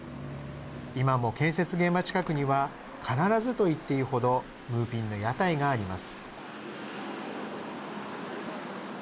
今も建設現場近くには必ずと言っていい程ムーピンの屋台があります。